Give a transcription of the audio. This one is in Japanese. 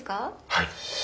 はい。